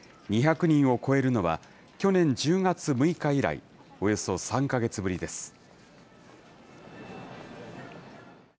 ２００人を超えるのは、去年１０月６日以来、およそ３か月ぶりです。